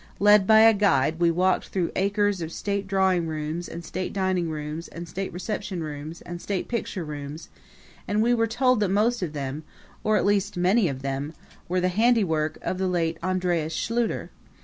Led by a guide we walked through acres of state drawing rooms and state dining rooms and state reception rooms and state picture rooms; and we were told that most of them or, at least, many of them were the handiwork of the late Andreas Schluter.